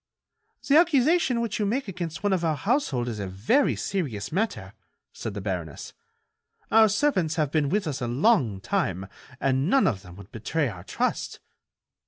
"The accusation which you make against one of our household is a very serious matter," said the baroness. "Our servants have been with us a long time and none of them would betray our trust."